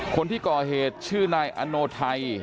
คนที่ก่อเหตุชื่อนายอโนไทย